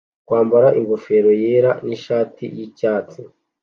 Kwambara ingofero yera nishati yicyatsi